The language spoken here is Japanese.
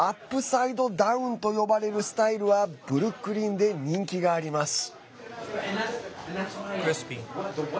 サイドダウンと呼ばれるスタイルはブルックリンで人気があります。